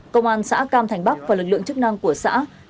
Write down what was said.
công an xã cam thành bắc và lực lượng chức năng của xã cam thành bắc